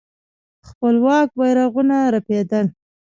خپلواک بيرغونه رپېدل.